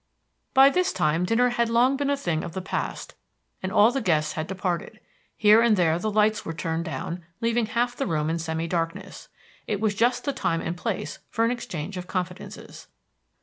By this time dinner had long been a thing of the past, and all the guests had departed. Here and there the lights were turned down, leaving half the room in semi darkness. It was just the time and place for an exchange of confidences.